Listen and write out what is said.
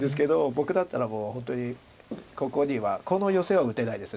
僕だったらもう本当にここにはこのヨセは打てないです